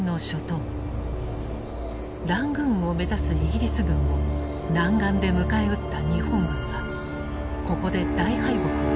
ラングーンを目指すイギリス軍を南岸で迎え撃った日本軍はここで大敗北を喫した。